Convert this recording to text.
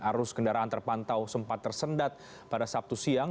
arus kendaraan terpantau sempat tersendat pada sabtu siang